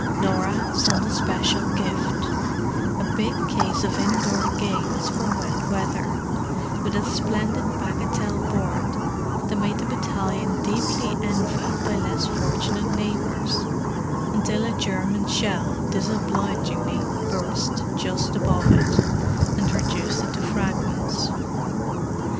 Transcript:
Norah sent a special gift—a big case of indoor games for wet weather, with a splendid bagatelle board that made the battalion deeply envied by less fortunate neighbours: until a German shell disobligingly burst just above it, and reduced it to fragments.